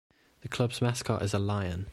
The club's mascot is a lion.